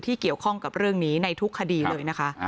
เกี่ยวข้องกับเรื่องนี้ในทุกคดีเลยนะคะ